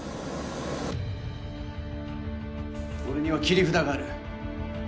俺には切り札がある。